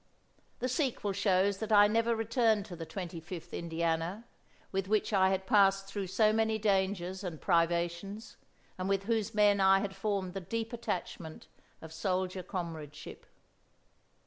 The sequel shows that I never returned to the Twenty fifth Indiana, with which I had passed through so many dangers and privations, and with whose men I had formed the deep attachment of soldier comradeship.